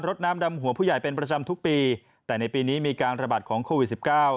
ดน้ำดำหัวผู้ใหญ่เป็นประจำทุกปีแต่ในปีนี้มีการระบาดของโควิดสิบเก้า